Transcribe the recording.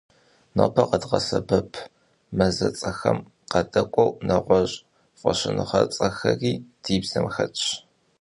Нобэ къэдгъэсэбэп мазэцӀэхэм къадэкӏуэу, нэгъуэщӀ фӀэщыгъэцӀэхэри ди бзэм хэтщ.